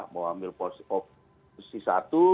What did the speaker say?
mau ambil opsi satu